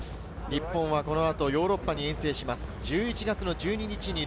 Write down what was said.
日本代表はこの後、ヨーロッパに遠征します。